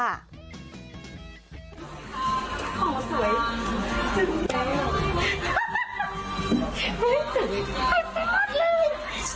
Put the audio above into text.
โอ้สวย